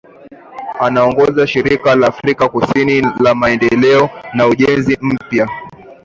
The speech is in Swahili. Anaongoza Shirika la Afrika Kusini la Maendeleo na Ujenzi Mpya